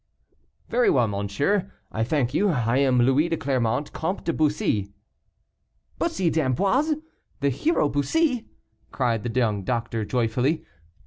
"Very well, monsieur; I thank you. I am Louis de Clermont, Comte de Bussy." "Bussy d'Amboise! the hero Bussy!" cried the young doctor, joyfully.